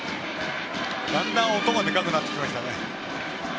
だんだん音が大きくなってきましたね。